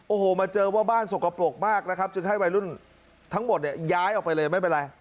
โอ้โหมาเจอว่าบ้านสกปรกมากนะครับจึงให้วัยรุ่นทั้งหมดเนี่ยย้ายออกไปเลยไม่เป็นไร